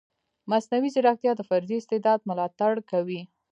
مصنوعي ځیرکتیا د فردي استعداد ملاتړ کوي.